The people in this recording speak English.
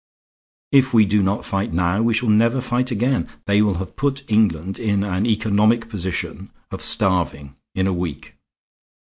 If we do not fight now we shall never fight again. They will have put England in an economic position of starving in a week.